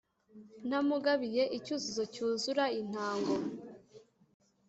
Ntamugabiye icyuzuzo cyuzura intango